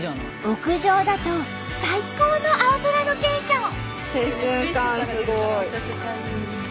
屋上だと最高の青空ロケーション。